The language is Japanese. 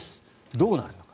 どうなるのか。